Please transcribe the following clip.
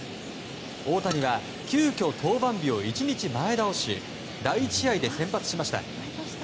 大谷は急きょ登板日を１日前倒し第１試合で先発しました。